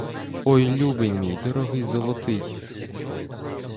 Ой любий мій, дорогий, золотий!